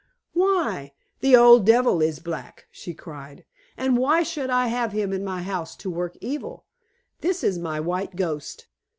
"Why, the old devil is black," she cried. "And why should I have him in my house to work evil? This is my white ghost."